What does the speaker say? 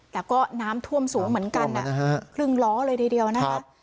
แต่ก็น้ำท่วมสูงเหมือนกันครึ่งล้อเลยทีเดียวนะคะ